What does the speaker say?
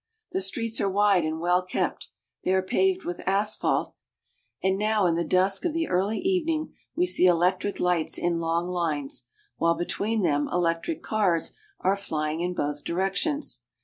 The streets are wide and well kept. They are paved with asphalt, and now in the dusk of the early evening we see electric lights in long lines, while between them electric cars are flying in both directions.